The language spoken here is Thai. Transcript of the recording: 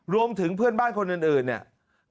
รวมถึงเพื่อนบ้านคนอื่นเนี่ย